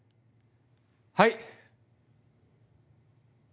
はい！